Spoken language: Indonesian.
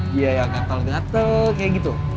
dia ya gatal gatal kayak gitu